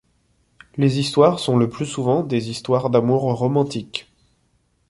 Les histoires sont le plus souvent des histoires d'amour romantiques.